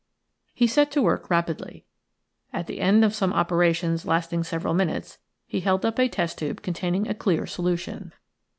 He set to work rapidly. At the end of some operations lasting several minutes he held up a test tube containing a clear solution.